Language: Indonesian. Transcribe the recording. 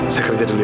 saya kerja dulu ya